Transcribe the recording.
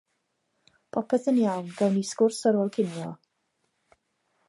Popeth yn iawn, gawn ni sgwrs ar ôl cinio.